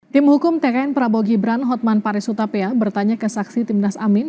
tim hukum tkn prabowo gibran hotman paresutapaya bertanya ke saksi timnas amin